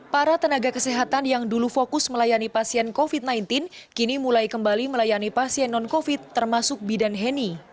para tenaga kesehatan yang dulu fokus melayani pasien covid sembilan belas kini mulai kembali melayani pasien non covid termasuk bidan heni